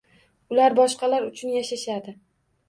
Ular boshqalar uchun yashashadi.